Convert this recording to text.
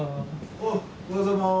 おはようございます。